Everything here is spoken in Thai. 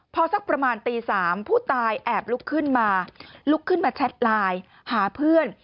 พอสักประมาณตี๓ผู้ตายแอบลุกขึ้นมาลุกขึ้นมาแชทไลน์หาเพื่อน